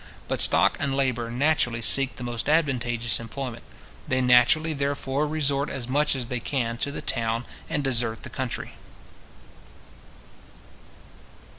But stock and labour naturally seek the most advantageous employment. They naturally, therefore, resort as much as they can to the town, and desert the country.